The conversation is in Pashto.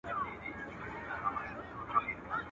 تاریخي اثار د انسانانو هویت دی